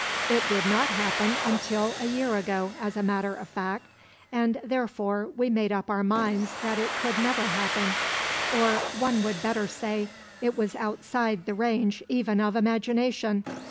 It did not happen till a year ago as a matter of fact, and therefore we made up our minds that it never could happen; or, one would better say, it was outside the range even of imagination.